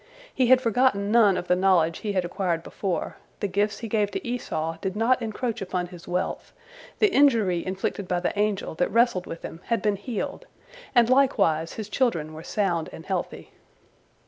He had forgotten none of the knowledge he had acquired before; the gifts he gave to Esau did not encroach upon his wealth; the injury inflicted by the angel that wrestled with him had been healed, and likewise his children were sound and healthy.